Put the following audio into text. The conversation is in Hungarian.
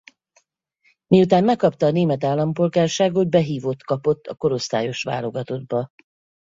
Miután megkapta a német állampolgárságot behívott kapott a korosztályos válogatottba.